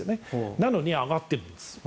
なのに上がってるんです。